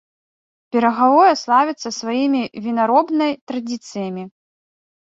Берагавое славіцца сваімі вінаробнай традыцыямі.